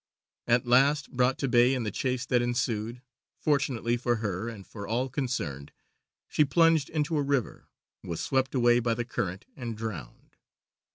At last brought to bay in the chase that ensued, fortunately for her and for all concerned, she plunged into a river, was swept away by the current, and drowned.